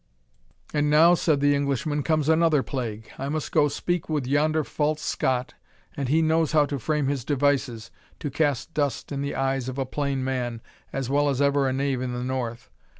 "And now," said the Englishman, "comes another plague. I must go speak with yonder false Scot, and he knows how to frame his devices, to cast dust in the eyes of a plain man, as well as ever a knave in the north.